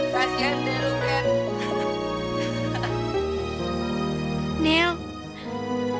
rasain dia lo ben